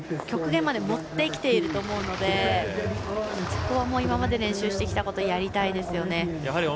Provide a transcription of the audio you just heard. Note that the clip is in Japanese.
極限まで持ってきていると思うのでそこは今まで練習してきたことをやりたいですね。